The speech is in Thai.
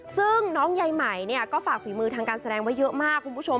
ซึ่งน้องใยไหมเนี่ยก็ฝากฝีมือทางการแสดงไว้เยอะมากคุณผู้ชม